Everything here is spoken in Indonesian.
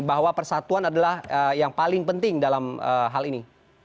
bahwa persatuan adalah yang paling penting dalam hal ini